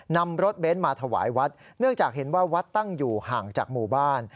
นำรถเบ้นมาถวายวัดเนื่องจากเห็นว่าวัดตั้งอยู่ห่างจากหมู่บ้าน